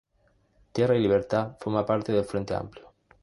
Tierra y Libertad forma parte del Frente Amplio.